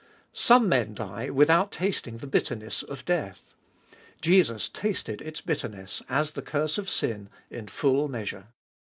Some men die Iboltest of BU si without tasting the bitterness of death ; Jesus tasted its bitterness, as the curse of sin, in full measure.